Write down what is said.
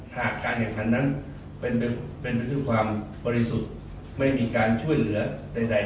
หากการแข่งขันนั้นเป็นไปด้วยความบริสุทธิ์ไม่มีการช่วยเหลือใด